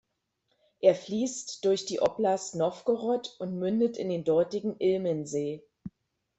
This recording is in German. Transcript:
Er fließt durch die Oblast Nowgorod und mündet in den dortigen Ilmensee.